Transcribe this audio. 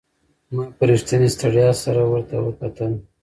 ما په رښتینې ستړیا سره ورته وکتل.